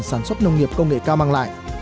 sản xuất nông nghiệp công nghệ cao mang lại